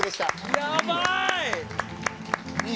やばい！